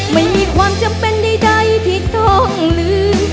ไม่มีความจำเป็นใดที่ต้องลืม